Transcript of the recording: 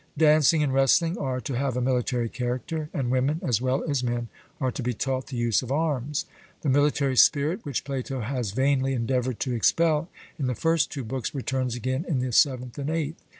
Dancing and wrestling are to have a military character, and women as well as men are to be taught the use of arms. The military spirit which Plato has vainly endeavoured to expel in the first two books returns again in the seventh and eighth.